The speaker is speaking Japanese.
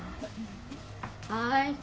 はい？